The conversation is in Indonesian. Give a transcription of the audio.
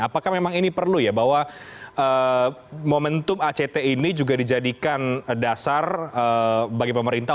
apakah memang ini perlu ya bahwa momentum act ini juga bergantung kepada kemampuan pemerintah